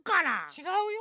ちがうよ。